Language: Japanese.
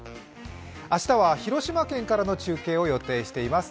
明日は広島県からの中継を予定しています。